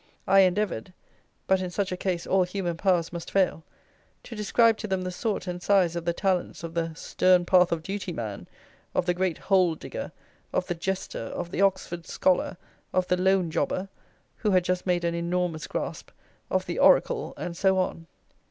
I endeavoured (but in such a case all human powers must fail!) to describe to them the sort and size of the talents of the Stern path of duty man, of the great hole digger, of the jester, of the Oxford scholar, of the loan jobber (who had just made an enormous grasp), of the Oracle, and so on.